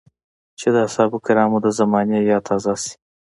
چې د اصحابو کرامو د زمانې ياد تازه شي.